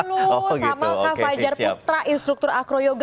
sama kak fajar pitra instruktur acroyoga